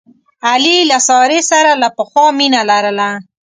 علي له سارې سره له پخوا مینه لرله.